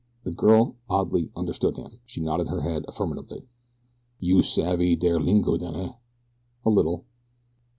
The girl, oddly, understood him. She nodded her head, affirmatively. "Youse savvy deyre lingo den, eh?" "A little."